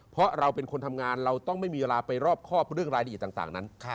เพราะเราเป็นคนทำงานเราต้องไม่มีเวลาไปรอบครอบเรื่องรายละเอียดต่างนั้น